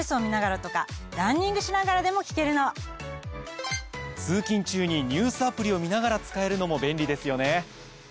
通勤中にニュースアプリを見ながら使えるのも便利ですよね。